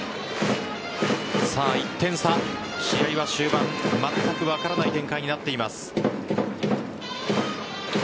１点差、試合は終盤まったく分からない展開になっています。